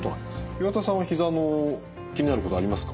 岩田さんはひざの気になることありますか？